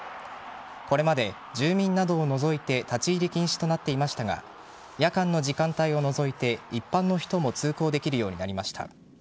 これまで住民などを除いて立ち入り禁止となっていましたが夜間の時間帯を除いて一般の人も通行できるようになりました。